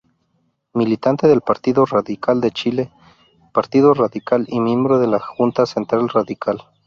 Militante del Partido Radical de Chile|Partido Radical y miembro de la Junta Central Radical.